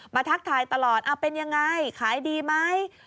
ทักทายตลอดเป็นยังไงขายดีไหม